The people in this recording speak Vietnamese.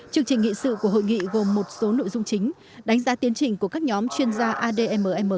chương trình nghị sự của hội nghị gồm một số nội dung chính đánh giá tiến trình của các nhóm chuyên gia admm